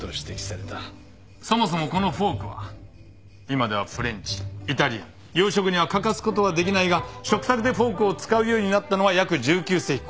そもそもこのフォークは今ではフレンチイタリアン洋食には欠かすことはできないが食卓でフォークを使うようになったのは約１９世紀ごろ。